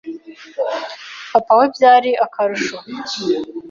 Papa we byari akarusho